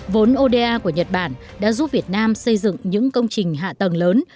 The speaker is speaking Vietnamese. vốn oda của nhật bản đã giúp việt nam xây dựng những công trình hạ tầng lớn